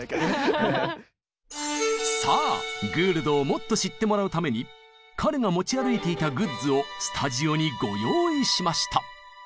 さあグールドをもっと知ってもらうために彼が持ち歩いていたグッズをスタジオにご用意しました！